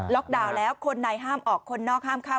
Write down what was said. ดาวน์แล้วคนในห้ามออกคนนอกห้ามเข้า